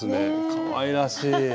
かわいらしい。